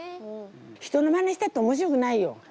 人のマネしたって面白くないよ。